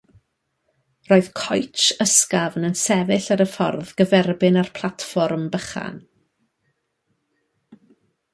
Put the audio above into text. Roedd coetsh ysgafn yn sefyll ar y ffordd gyferbyn â'r platfform bychan.